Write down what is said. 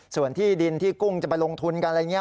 ส่วนที่ดินที่กุ้งจะไปลงทุนกันอะไรอย่างนี้